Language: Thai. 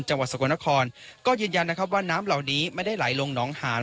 จังหวัดสกลนครก็ยืนยันนะครับว่าน้ำเหล่านี้ไม่ได้ไหลลงหนองหาน